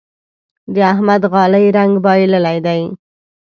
د احمد غالۍ رنګ بايللی دی.